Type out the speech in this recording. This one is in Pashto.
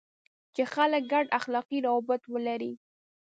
چې خلک ګډ اخلاقي روابط ولري.